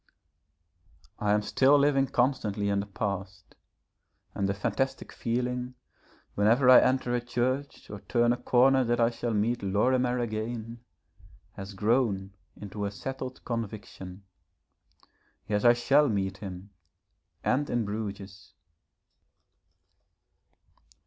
_ I am still living constantly in the past, and the fantastic feeling, whenever I enter a church or turn a corner that I shall meet Lorimer again, has grown into a settled conviction. Yes, I shall meet him, and in Bruges....